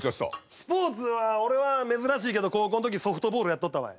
スポーツは俺は珍しいけど高校の時ソフトボールやっとったわい。